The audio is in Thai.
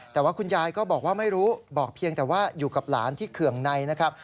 แต่ว่าคุณยายก็บอกว่าไม่รู้บอกเพียงแต่ว่าอยู่กับหลานที่เคืองในนะครับ